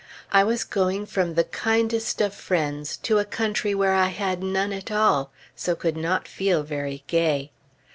I was going from the kindest of friends to a country where I had none at all; so could not feel very gay.